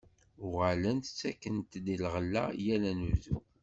Uɣalent ttakent-d lɣella yal anebdu.